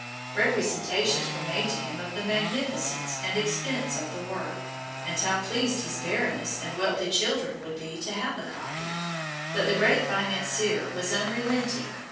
Representations were made to him of the magnificence and expense of the work, and how pleased his Baroness and wealthy children would be to have a copy; but the great financier was unrelenting.